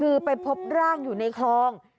คือไปพบร่างอยู่ในคลอง